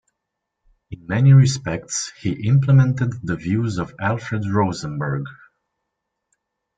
In many respects, he implemented the views of Alfred Rosenberg.